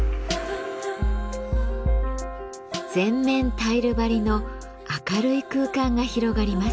全面タイル張りの明るい空間が広がります。